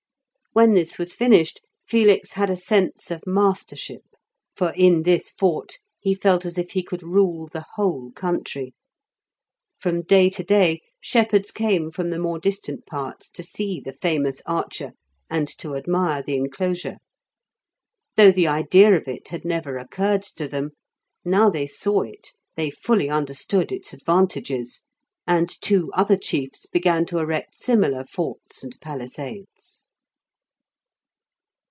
When this was finished, Felix had a sense of mastership, for in this fort he felt as if he could rule the whole country. From day to day shepherds came from the more distant parts to see the famous archer, and to admire the enclosure. Though the idea of it had never occurred to them, now they saw it they fully understood its advantages, and two other chiefs began to erect similar forts and palisades.